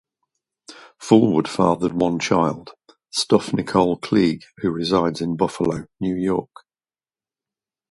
Fulwood fathered one child, Stuff Nicole Cleague, who resides in Buffalo, New York.